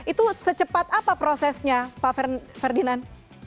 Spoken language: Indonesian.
itu secepat apa prosesnya pak ferdinand